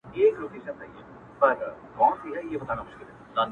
که هر څو نجوني ږغېږي چي لونګ یم ـ